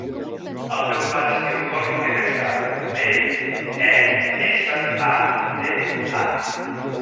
El meu pare es diu Jorge Besada: be, e, essa, a, de, a.